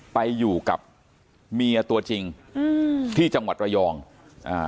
ไปอยู่กับเมียตัวจริงอืมที่จังหวัดระยองอ่า